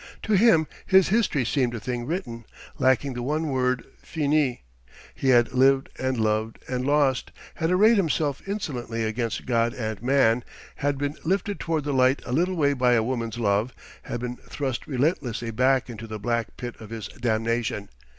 To him his history seemed a thing written, lacking the one word Finis: he had lived and loved and lost had arrayed himself insolently against God and Man, had been lifted toward the light a little way by a woman's love, had been thrust relentlessly back into the black pit of his damnation.